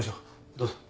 どうぞ。